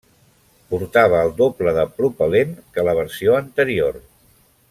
Portava el doble de propel·lent que la versió anterior.